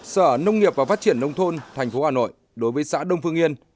sở nông nghiệp và phát triển nông thôn thành phố hà nội đối với xã đông phương yên